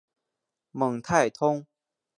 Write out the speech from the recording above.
蒙泰通。